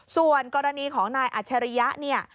ส่วนกรณีของนายอัจฉริยะ